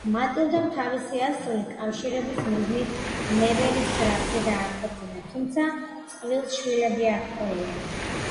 მატილდამ თავისი ასული კავშირების მიზნით ნევერის გრაფზე დააქორწინა, თუმცა წყვილს შვილები არ ჰყოლია.